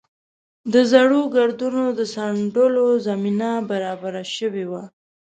د زړو ګردونو د څنډلو زمینه برابره شوې وه.